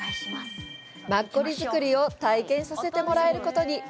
マッコリ造りを体験させてもらえることに！